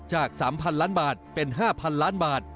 จาก๓๐๐ล้านบาทเป็น๕๐๐ล้านบาท